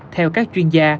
theo các chuyên gia